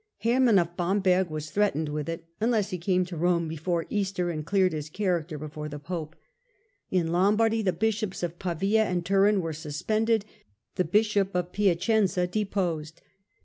Herman of Bamberg was threatened with it, unless he came to Rome before Easter and cleared his character before the Pope. In Lombardy, the bishops of Pavia and Turin were suspended, the bishop of Piacenza deposed.